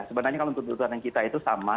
sebenarnya kalau untuk tuntutan kita itu sama